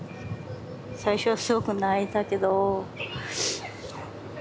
最初はすごく泣いたけどうん。